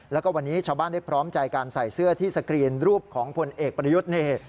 แล้วก็วันนี้ชาวบ้านได้พร้อมใจการใส่เสื้อที่สกรีนรูปของผลเอกประยุทธ์นี่